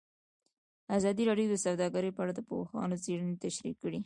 ازادي راډیو د سوداګري په اړه د پوهانو څېړنې تشریح کړې.